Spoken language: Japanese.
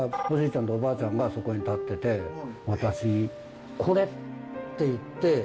ちゃんとおばあちゃんがそこに立ってて私にって言って。